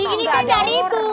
ih ini kan dari ibu